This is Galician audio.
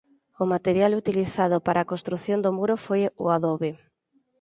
O material utilizado para a construción do muro foi o adobe.